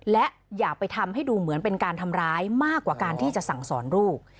และอย่าไปทำให้ดูเหมือนเป็นการทำร้ายมากกว่าการที่จะสั่งสอนลูก